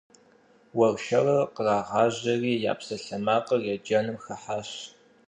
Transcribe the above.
Уэршэрыр кърагъажьэри, я псалъэмакъыр еджэным хыхьащ.